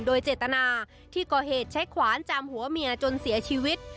โดยเจตนาที่ก่อเหตุใช้ขวานจามหัวเมียจนเสียชีวิต